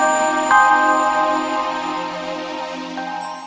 tolong ada yang mau melahirkan